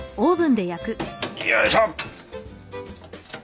よいしょ。